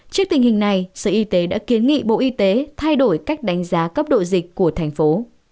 trước tình hình này sở y tế đã kiến nghị bộ y tế thay đổi cách đánh giá cấp độ dịch của thành phố